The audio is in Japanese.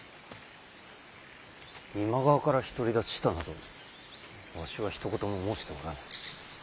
今川から独り立ちしたなどわしはひと言も申しておらぬ。